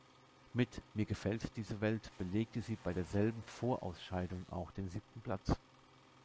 Mit "Mir gefällt diese Welt" belegte sie bei derselben Vorausscheidung auch den siebten Platz.